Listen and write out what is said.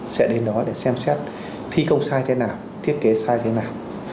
sẽ đến đó để xem xét thi công sai thế nào thiết kế sai thế nào